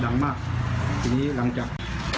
ดังมากทีนี้หลังจาก